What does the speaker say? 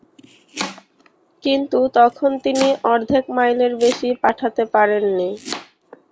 কিন্তু তখন তিনি অর্ধেক মাইলের বেশি পাঠাতে পারেন নি।